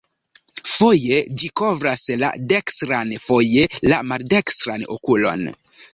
Foje ĝi kovras la dekstran, foje la maldekstran okulon.